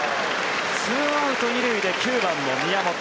２アウト２塁で９番の宮本。